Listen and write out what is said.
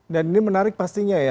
dan ini menarik pastinya ya